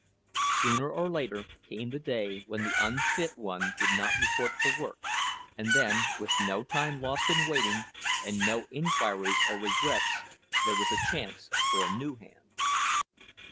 Sooner or later came the day when the unfit one did not report for work; and then, with no time lost in waiting, and no inquiries or regrets, there was a chance for a new hand.